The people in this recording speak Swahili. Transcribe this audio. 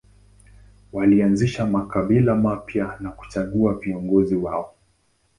Walianzisha makabila mapya na kuchagua viongozi wao.